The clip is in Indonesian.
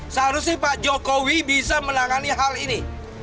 seharusnya pak jokowi bisa menangani hal ini